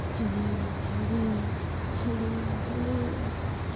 Hilloo, hilloo, hilloo, hilloo!